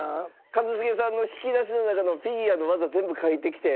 一茂さんの引き出しの中のフィギュアの技全部書いてきて。